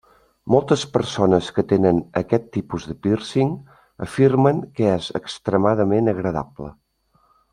Moltes persones que tenen aquest tipus de pírcing afirmen que és extremadament agradable.